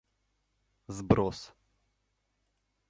Сброс